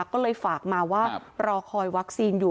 ก็เลยฝากมาว่ารอคอยวัคซีนอยู่